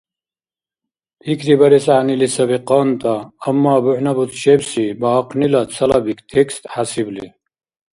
Пикрибарес гӀягӀнили саби къантӀа, амма бухӀнабуцчебси багьахънила цалабик текст хӀясибли